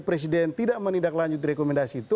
presiden tidak menindaklanjuti rekomendasi itu